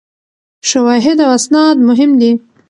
شواهد او اسناد مهم دي.